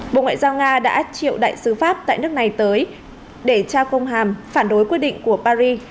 bộ ngoại giao nga đã triệu đại sứ pháp tại nước này tới để tra công hàm phản đối quyết định của paris